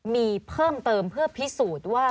มีเพิ่มเติมเพื่อพิสูจน์ว่า